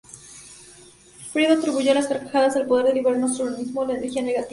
Freud atribuyó a las carcajadas el poder de liberar nuestro organismo de energía negativa.